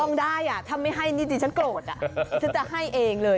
ต้องได้ถ้าไม่ให้นี่ดิฉันโกรธฉันจะให้เองเลย